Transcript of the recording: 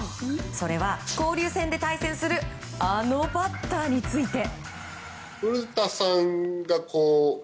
それは、交流戦で対戦するあのバッターについて。